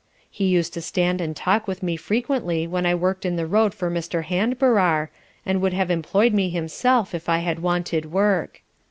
He used to stand and talk with me frequently when I work'd in the road for Mr. Handbarrar, and would have employed me himself, if I had wanted work.